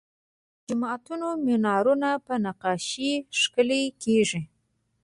د جوماتونو مینارونه په نقاشۍ ښکلي کیږي.